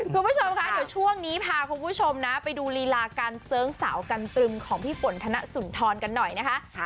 คุณผู้ชมคะเดี๋ยวช่วงนี้พาคุณผู้ชมนะไปดูลีลาการเสิร์งสาวกันตรึงของพี่ฝนธนสุนทรกันหน่อยนะคะ